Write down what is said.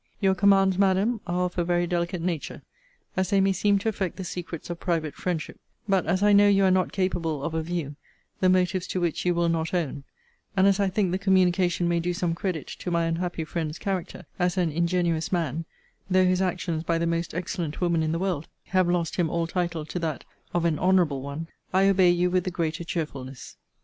Your commands, Madam, are of a very delicate nature, as they may seem to affect the secrets of private friendship: but as I know you are not capable of a view, the motives to which you will not own; and as I think the communication may do some credit to my unhappy friend's character, as an ingenuous man; though his actions by the most excellent woman in the world have lost him all title to that of an honourable one; I obey you with the greater cheerfulness.